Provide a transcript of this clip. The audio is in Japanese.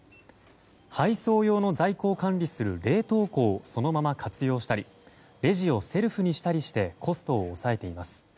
配送用の在庫を管理する冷凍庫をそのまま活用したりレジをセルフにしたりしてコストを抑えています。